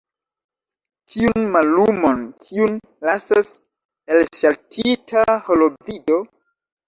Tiun mallumon, kiun lasas elŝaltita holovido?